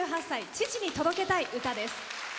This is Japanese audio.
父に届けたい歌です。